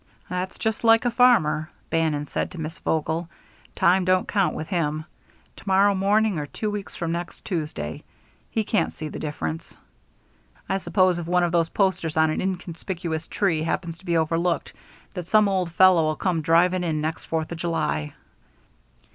"That's just like a farmer," Bannon said to Miss Vogel. "Time don't count with him. To morrow morning or two weeks from next Tuesday he can't see the difference. I suppose if one of those posters on an inconspicuous tree happens to be overlooked that some old fellow'll come driving in next Fourth of July."